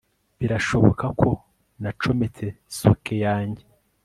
Birashoboka ko nacometse socket yanjye